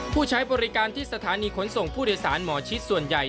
ผู้ใช้บริการที่สถานีขนส่งผู้โดยสารหมอชิดส่วนใหญ่